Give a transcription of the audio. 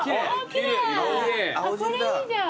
奇麗これいいじゃん。